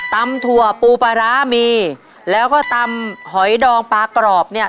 ถั่วปูปลาร้ามีแล้วก็ตำหอยดองปลากรอบเนี่ย